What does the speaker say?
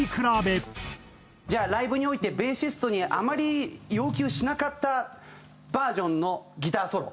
じゃあライブにおいてベーシストにあまり要求しなかったバージョンのギターソロ。